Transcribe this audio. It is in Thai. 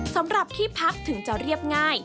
สำหรับที่พักถึงจะเรียบง่าย